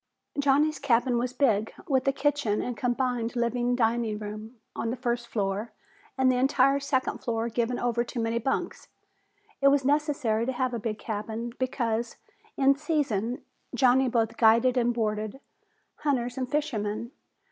Johnny's cabin was big, with a kitchen and combined living dining room on the first floor and the entire second floor given over to many bunks. It was necessary to have a big cabin because, in season, Johnny both guided and boarded hunters and fishermen.